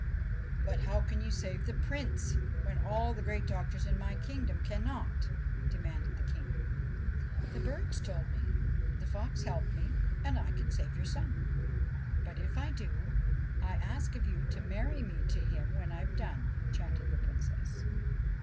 ' But how can you save the Prince when all the great doctors in my kingdom cannot ?' demanded the King. ' The birds told me, The fox helped me, And I can save your son. But, if I do, I ask of you To marry me to him when I've done' chanted the Princess.